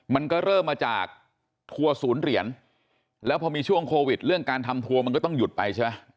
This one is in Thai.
มันก็เริ่มมาจากทัวร์ศูนย์เหรียญแล้วพอมีช่วงโควิดเรื่องการทำทัวร์มันก็ต้องหยุดไปใช่ไหม